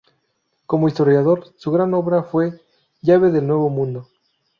Como historiador, su gran obra fue "Llave del Nuevo Mundo.